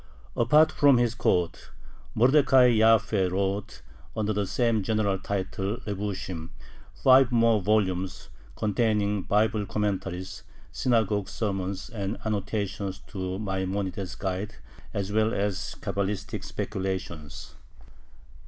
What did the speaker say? Apart from his code, Mordecai Jaffe wrote, under the same general title Lebushim, five more volumes, containing Bible commentaries, synagogue sermons, and annotations to Maimonides' "Guide," as well as Cabalistic speculations.